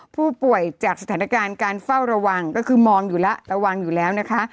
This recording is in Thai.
ผู้ป่วยจากสถานการณ์การเฝ้าระวังก็คือมองอยู่แล้วระวังอยู่แล้วนะคะ